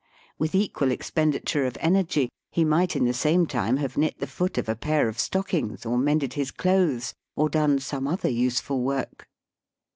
With equal expenditure of energy he might in the same time have knit the foot of a pair of stockings, or mended his clothes, or done some other useful work.